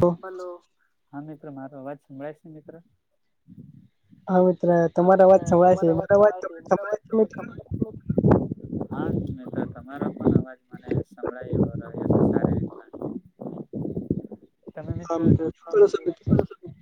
તો. હલો હા મિત્રો મારો અવાજ સંભળાય છે મિત્ર. હા તમારા વાત સંભળાય છે મારો અવાજ [inaudible] વાય છે મારા વાત હા મ તમારો પણ અવાજ મને સંભળાય એવો રહ્યો છે સારી રીતના. તમે મ્ર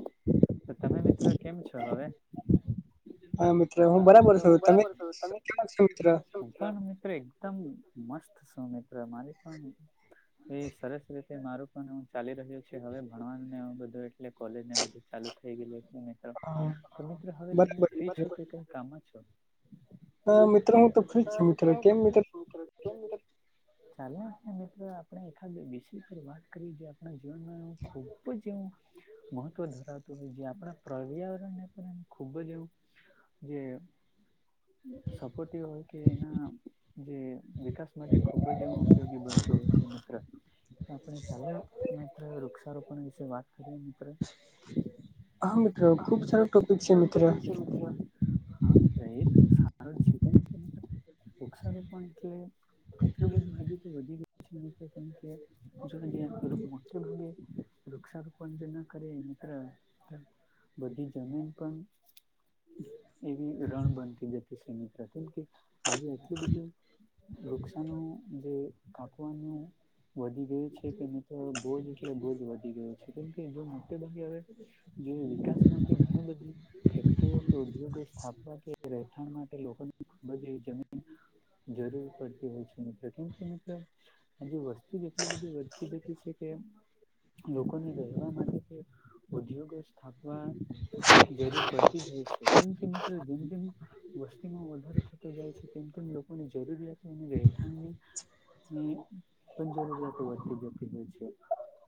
[inaudible] તો તમે મિત્રો કેમ છો હવે. હા મિત્ર હું બરાબર છુ તમે. હ પણ મિત્ર એકદમ મસ્ત છું મિત્ર મારી પણ એ સરસ ર મારું પણ હું ચાલી રહ્યું છે હવે ભણવાનેું બધું એટલે કોલેજ ને બધું ચાલુ થઈ ગયું એટ. તો મિત્ર હવે તમે ફ્રી છો કે ક કામમાં છો. હા મિત્ર હું તો ફ્રી છુ મિત્ર. ચાલ ને મિત્ર આપણે એકાદ બે વિશે વાત કરી જે આપણા. જીવનમાં હું ખૂબ જવું મહત્વ ધરાવતું હોય જે આપણા પર્યાવરણને પણ એ ખુબ જ એવું. જે સપોટિવ હોય કે એના જે વિકાસ માટે ખુબ જ ઉપયોગી બનતું હોય છે મિત્ર આપણે ચાલે. મિત્ર વૃક્ષારોપણ વિશે વાત કરીએ મિત્ર. હા મિત્ર ખૂબ સારા ટોપિક છે મિત્ર. હા મિત્ર એક સાર સ. વૃક્ષારોપણ કે એટલું બધું હજુ તો વધી ગયુ છે મિત્ર કેમ કે. જો મો [inaudible] ભે વૃક્ષારોપણ જે ના કરે એ અ બધી જમીન પણ એવી રણ બનતી જતી શે મિત્રા કેમ કે. આજે એટલું બધું વૃક્ષાનું જે. કાપવાનું વધી ગયું છે કે મિત્ર. બઉજ એટલે બોજ વધી ગયો છે કેમકે જો મોટે ભાગે હવે જે વિકાસ માટે ઘણી બધી ફેક્ટરીઓ કે [inaudible] ઉદ્યોગો સ્થાપવા કે રહેઠાણ માટે લોકોને ખૂબ જ એ જમીન જરૂર પડતી હોય છે મિત્ર કેમ કે મિત્ર. આજે વસ્તી જેટલી બધી વધતી જતી છે. કે લોકોને રહેવા માટે કે ઉદ્યોગો સ્થાપન. જરૂર પડતી જ હોય છે જેમ કે જેમ જેમ વસ્તીમાં વધારો. ય છે તેમ લોકોની જરૂરિયાત અને રહેઠાણની. પંજો રૂપિયા તો વધતી જતી હોય છે.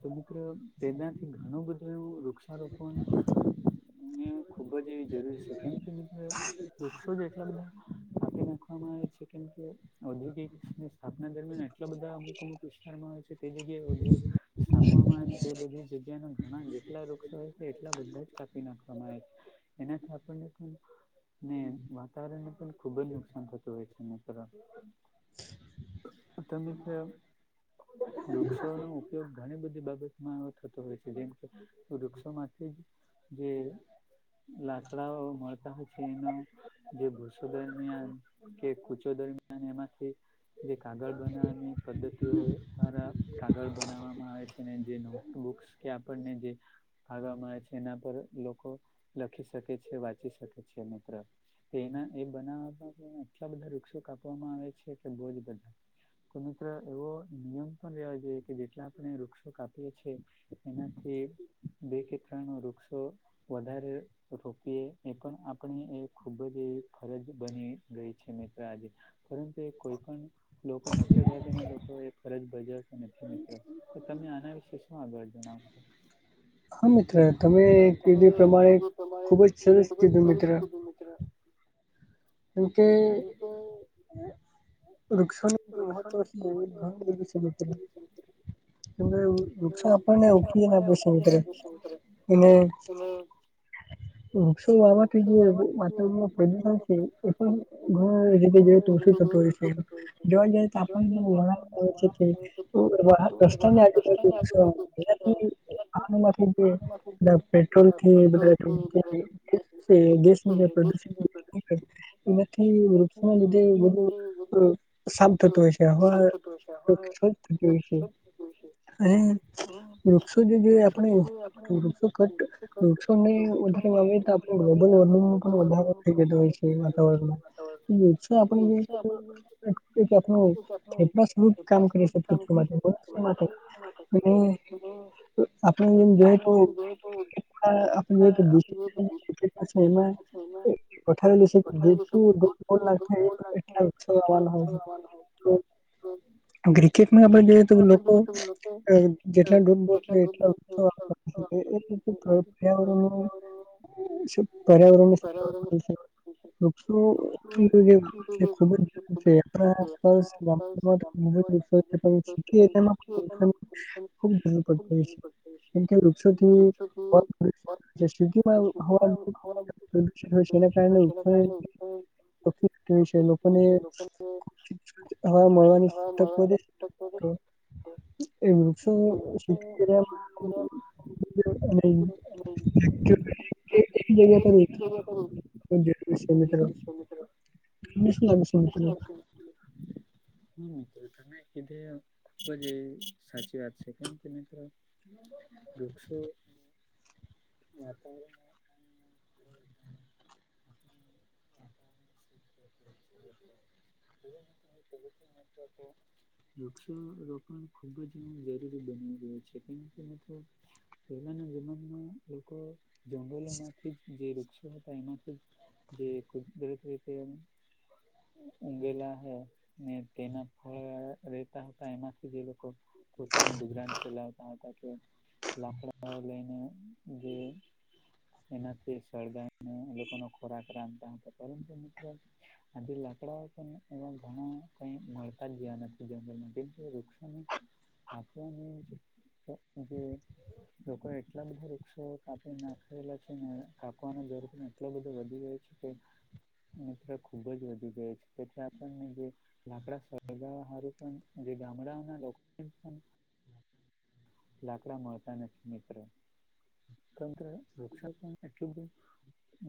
તો મિત્ર તેનાથી ઘણું બધું એવું વૃક્ષારોપવાનું એ ખુબ જ એવી જરૂરી છે કેમ કે મિત્ર વૃક્ષો જ એટલા બધા. કે નાખવા મા આવે છે મિત્ર. ઔદ્યોગિક ની સ્થાપના દરમિયાન એટલા બધા અમુક અમુક વિસ્તારમાં આવે છે તે જગ્યાએ ઉઘોયોગ. સ્થાપવામાં આવે છે તે બધી જગ્યાના ઘણા જેટલા વૃક્ષો હો છે એટલા બધા જ કાપી નાખવામાં આવે છે. એનાથી આપને પણ ને વા કારણને પણ ખુબ જ નુકસાન થતું હોય છે તર તમે વૃક્ષોનો ઉપગ ઘણી બધી બાબતમાંો થતો હોય છે જેમ કે વૃક્ષોમાંથી જે લાકડાઓ મળતા હોય છે એનો જે ભૂસો દરમિયાન કે કુચો દરમિયાન એમાંથી જે કાગળ બનાવાની પદ્ધતિઓ દ્વારા કાગળ બનાવવામાં આવે છેને જે નોટબુક્સ કે આપણને જે આગવા મળે છે એના પર લોકો લખી શકે છે વાંચી શકે છે મિત્ર એના એ બનાવવામાં આટલા બધા વૃક્ષો કાપવામાં આવે છે કે બહુજ બધા તો મિત્ર એવો નિયમંત્રણ રહ જો કે જે જેટલા આપણે વૃક્ષો કાપીએ છીએ એનાથી બે કે ત્રણ વૃક્ષો વધારે રોપએ એ પણ આપણી એ ખૂબ જ એવી ફરજ બની ગઈ છે મિત્ર આજ પરંતુ એ કોઈ પણ લોકો મોટે ભાગેના લોકો એ ફરજ બજાવશે નથી મિત્ર તો તમે આના વિશે શું આગળ જણાવશો હા મિત્ર તમે કીદી પ્રમાણે ખુબ જ સજસ કીધું મિત્ર એ કે વૃક્ષણ મહત્વ ઘ એ નુકસાન આપણને ઓકીીએ ના પેસા મિતરે અનેને રસ બાથી જે માથ ફેદ થ છે એ પણ ઘ રીતે જો તોું થતું હોય છે જોવા જઈ તો આપ પ્રશ્ન આજ જે પેટ્રોલ કે બધ ગસ પ્રદૂષણ એનાથી વૃક્ષો ના લીધે બધું સાફ થતું હોય છે હ થ વિશે અ વૃક્ષો જે જે આપણે વૃક્ષો કટ વૃક્ષો ને વધારે વાવે તો આપડ ગ્લોબલ વોર્મિંગ પણ વધારો થઈ જતો હોય છે વારણમાં ઉસ જે થેપ ું કામ કરીશ પૃથ માટે માટે આપણે જેમ જો તો આપ જો એમાં હોવાય જેું દો હ ક્રિકેટમાં આપણે જોઈએ તો લોકો જેટલા દૂટ બો એટ પર્યાવરણ પર્યાવરણની સ તો ખૂબ જ છે આસપાસ ખબ ખબરૂપય છે મ વૃક્ષોથી સમાં હ પ્રદૂષિત છે એના કારણે ઉને હ મળવાની તક વધે તો એવ શું શી એક જગ્યા પર છું વિ મ મશ લ વિશ મ હ હમ મિત્રો તમે કીધે ખુબ જ સાચી વાત છે કેમ કે મિત્રો વૃક્ષો માતા બ ઓ [inaudible] વૃક્ષારોપણ ખૂબ જ એ જરૂરી બની રહ્યું છે કેમ કે મિત્ર પહેલાના જમાનામાં લોકો જંગલોમાંથી જે વૃક્ષો હતા એમાંથી જે કુદરત રીતે એમ ઊઘેલા હોય ને તેના ફળ રેતા હતા એમાંથી જે લોકો પોતાનું ગુજરાન ચલાવતા હતા કે લાકડાઓ લઈને જે એનાથી સળગાઈ ને એલોકોનો ખોરાક રાંધતા હતા, પરંતુ મિત્રો આજે લાકડાઓ પણ એવા ઘણા કઈ મળતા જ ગયા નથી જંગલમાં કેમ કે વૃક્ષોનું આપણને જે [unintelligible] લોકો એટલા બધા વૃક્ષો કાપી નાખાયેલા છે ને કાપવાનો જરૂર સેને એટલો બધો વધી ગયો છે. કે મિત્ર ખુબ જ વધી ગયો છે તેથી આપણને જે લાકડા સળગાવા હારુ પન જે ગામડાઓના લોકો છેને લાકડા મળતા નથી મિત્ર. કેમ કે વૃક્ષો પણ એટલું બધું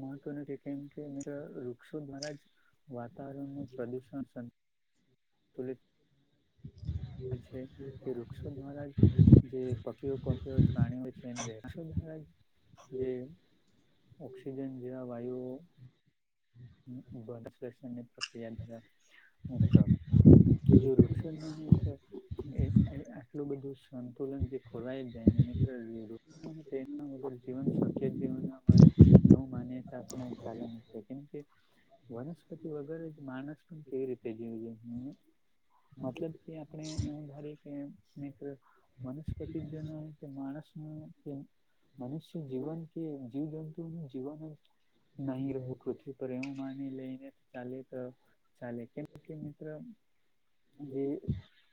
મહત્વનું છે કેમ કે મિત્ર વૃક્ષો દ્વારા જ વાતાવરણનું પ્રદુષણ સંતુ લિત થાય છે કે વૃક્ષો દ્વારા જ જે પક્ષીઓ પક્ષીઓ પ્રાણીઓ છે [unintelligible] ઑક્સિજન જેવા વાયુઓ [unintelligible] પ્રક્રિયા દ્વારા [unintelligible] જો વૃક્ષો જ ન હોય તો એ અ આટલું બધું સંતુલન જે ખોરવાય જાય ને મિત્ર [unintelligible] જીવન [unintelligible] ના મળે એવું માન્યતા [unintelligible] ચાલે છે કેમકે વનસ્પતિ વગર જ માનસ પણ કેવી રીતે જીવ [unintelligible] મતલબ કે આપણે એવું ધારીએ કે મિત્ર વનસ્પતિ જ ન હોય તો માણસનું કે મનુષ્ય જીવન કે જીવ જંતુ નું જીવન જ નહી રહે પૃથ્વી પર એવું માની લઈને ચાલે તો ચાલે કેમ કે મિત્ર જે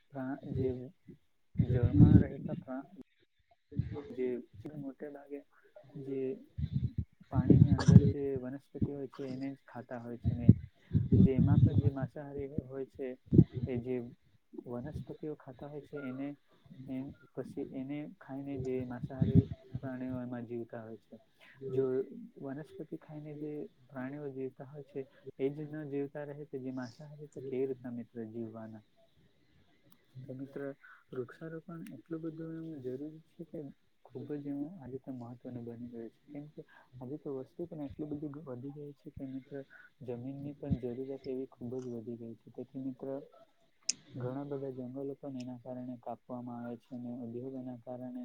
પ્રા જે જળમાં રહેતા જે મોટે ભાગે જે પાણીની અંદર જે વનસ્ પતિ હોય છે એને જ ખાતા હોય છે ને જેમાં પણ જે માંસાહારી હોય છે કે જે વનસ્પતિઓ ખાતા હોય છે એને એમ પછી એને ખાઈને જે માંસાહારી પ્રાણીઓ એમાં જીવતા હોય છે. જો વનસ્પતિ ખાઈને જે પ્રાણીઓ જીવતા હોય છે. એ જ ન જીવતા રહે તો જે માંસાહારી તો કેવી રીત મિત્ર જીવવાના. તો મિત્ર વૃક્ષારોપણ એટલું બધું એવું જરૂરી છે કે ખુબ જ એમ આ રીતે મહત્વનું બની ગયું છે કેમ કે હવે તો વસ્તી પણ એટલી બધી વધી ગઈ છે કે મિત્ર જમીનની પણ જરૂરિયાત એવી ખુબ જ વધી ગઈ છે, તેથી મિત્ર ઘણા બધા જંગલો પણ એના કારણે કાપવામાં આવે છે અને ઉદ્યોગોના કારણે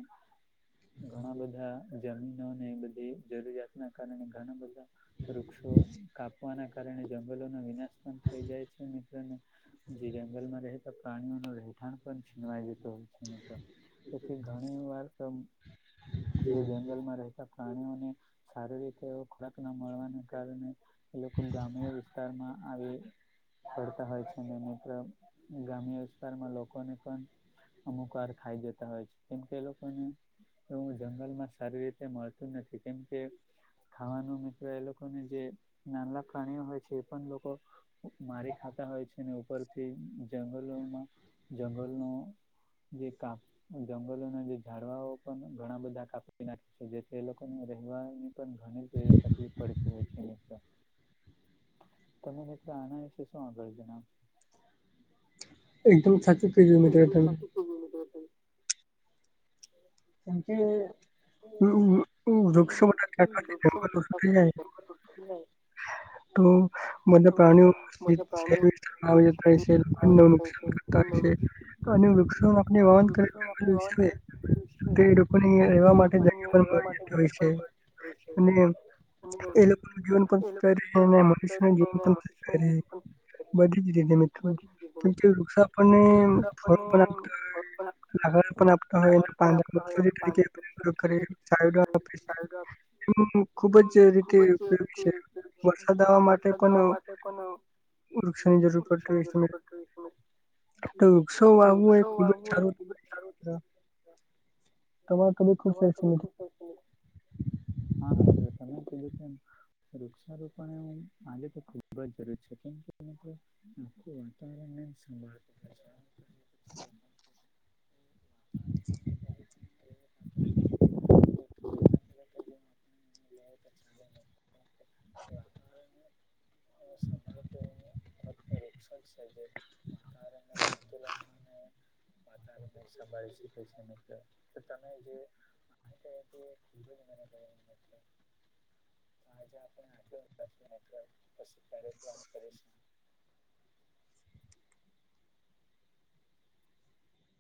ઘણા બધા જમી નોને એવી બધી જરૂરિયાતના કારણે ઘણા બધા વૃક્ષો કાપવાના કારણે જંગલોના વિનાશ પણ થઈ જાય છે મિત્ર અને જે જંગલમાં રહેતા પ્રાણીઓનો રહેઠાણ પણ છીનવાઈ જતો હોય છે મિત્ર. તે ઘણી વાર તો જે જંગલમાં રહેતા પ્રાણીઓની સારી રીતે એવો ખોરાક ન મળવાને કારણે એ લોકો ગ્રામ્ય વિસ્તારમાં આવી ફરતા હોય છે ને મિત્ર ગ્રામ્ય વિસ્તારમાં લોકોને પણ અમુકવાર ખાઈ જતા હોય છે. કેમ કે એ લોકોને અ જંગલમાં સારી રીતે મળતું નથી. કેમ કે ખાવાનું મિત્ર એ લોકોને જે નાનલા પ્રાણીઓ હોય છે એ પણ લોકો મારી ખાતા હોય છે અને ઉપરથી જંગલોમાં જંગલનો જે કાપ જંગલોના જે ઝાડવાઓ પણ ઘણા બધા કાપી નાખી છે. જેથી એ લોકોને રહેવાની પણ ઘણી જ એવી તકલીફ પડે. તો હોય છે મિત્ર. તમે મિત્ર આના વિશે શું આગળ જણાવ? એકદમ સાચું કીધું મિત્ર તમે. હા મિત્ર તો જેમ કે વૃક્ષ [inaudible] [inaudible] હા તો બધાં પ્રાણીઓ [inaudible] અને નુકસાનકારક થાય છે. અને વૃક્ષો આપને વાહન તો [inaudible] વાહન [inaudible] તો એ લોકોની અહીંયા રહેવા માટે જગ્યા પણ મળી જતી હોય છે. અને એ લોકોનું જીવન પણ સુધારીને [inaudible] [inaudible] બધી જ રીતે મિત્ર. કેમ કે વૃક્ષ આપણને ફળો પણ આપતા હોય. [inaudible] આપતા હોય અને પાંદડા [inaudible] તો ખુબ જ રીતે ઉપયોગી છે. વરસાદ આવવા માટે પન વૃક્ષોની જરૂર પડતી હોય છે. તો વૃક્ષો વાવું એ ખુબ જ સારું. તમાર કને ખૂબ સારી છે મિત્ર. હા મિત્ર તમે કીધું તેમ વૃક્ષારોપણ એવું આજે તો ખુબ જ જરૂરી છે. કેમ કે મિત્ર આખું વાતાવરણને સંભાળ કરે છે. [inaudible] [inaudible] આવું તો ચાલે નહીં. અને સંભાળ તો ફક્ત વૃક્ષ જ છે જે વાતાવરણને સંંતુલનમાં ને વાતાવરણને સંભાળી શકે છે મિત્ર. તો તમે જે [inaudible] આજે આપણે આટલો પસી ક્યારેક વાત કરીશ